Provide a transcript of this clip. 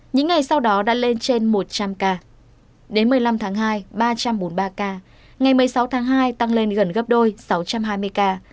những ngày sau đó đã lên trên một trăm linh ca đến một mươi năm tháng hai ba trăm bốn mươi ba ca ngày một mươi sáu tháng hai tăng lên gần gấp đôi sáu trăm hai mươi ca